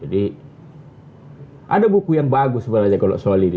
jadi ada buku yang bagus sebenarnya kalau soal ini